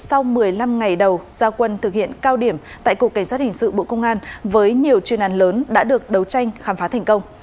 sau một mươi năm ngày đầu gia quân thực hiện cao điểm tại cục cảnh sát hình sự bộ công an với nhiều chuyên án lớn đã được đấu tranh khám phá thành công